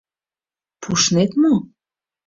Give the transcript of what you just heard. — Пуштнет мо?